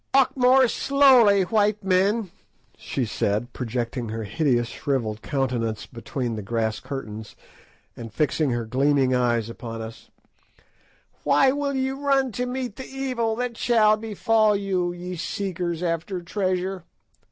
"Walk more slowly, white men," she said, projecting her hideous shrivelled countenance between the grass curtains, and fixing her gleaming eyes upon us; "why will ye run to meet the evil that shall befall you, ye seekers after treasure?"